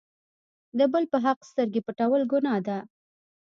د بل په حق سترګې پټول ګناه ده.